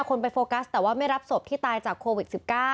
คนไปโฟกัสแต่ว่าไม่รับศพที่ตายจากโควิด๑๙